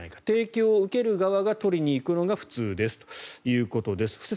提供を受ける側が取りに行くのが普通ですということです。